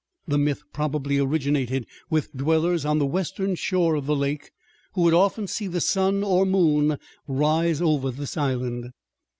The myth probably originated with dwellers on the western shore of the lake who would often see the sun or moon rise over this island.